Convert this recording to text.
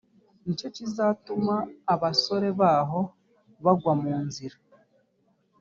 ni cyo kizatuma abasore baho bagwa mu nzira